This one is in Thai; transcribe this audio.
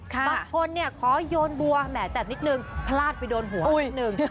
บางคนขอโยนบัวแหมจัดนิดนึงพลาดไปโดนหัวนิดนึง